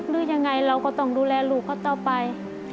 หรือยังไงเราก็ต้องดูแลลูกเขาต่อไป